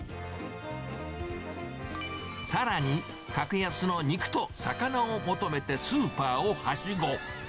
さらに格安の肉と魚を求めてスーパーをはしご。